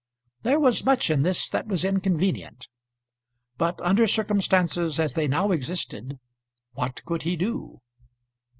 There was much in this that was inconvenient; but under circumstances as they now existed, what could he do?